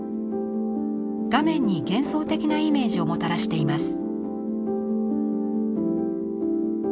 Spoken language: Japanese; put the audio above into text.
画面に幻想的なイメージをもたらしています。